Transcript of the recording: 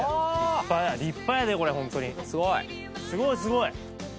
すごいすごい！